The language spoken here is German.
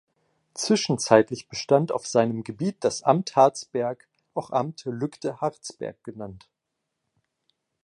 Zwischenzeitlich bestand auf seinem Gebiet das Amt Harzberg, auch Amt Lügde-Harzberg genannt.